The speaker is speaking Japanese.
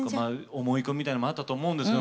思い込みみたいのもあったと思うんですけど